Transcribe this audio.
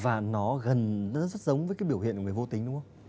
và nó gần nó rất giống với cái biểu hiện của người vô tính đúng không